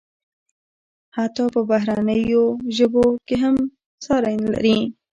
حتی په بهرنیو ژبو کې ساری نلري.